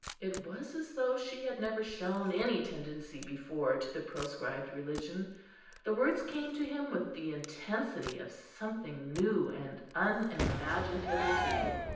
It was as though she had never shown any tendency before to the proscribed religion. The words came to him with the intensity of something new and unimagined hitherto.